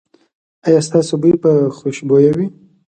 ایا ستاسو بوی به خوشبويه وي؟